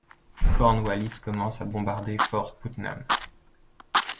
Cornwallis commence à bombarder Fort Putnam.